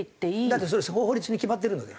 だってそれ法律で決まってるので。